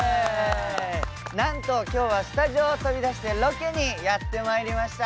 なんと今日はスタジオを飛び出してロケにやってまいりました。